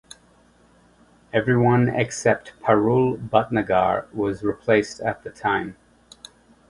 Everyone except Parul Bhatnagar was replaced at the time.